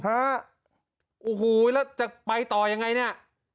โอ้โหแล้วจะไปต่อยังไงเนี่ย